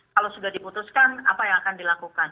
kalau sudah diputuskan apa yang akan dilakukan